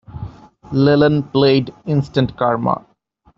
Lennon played Instant Karma!